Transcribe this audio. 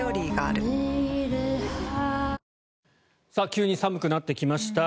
急に寒くなってきました。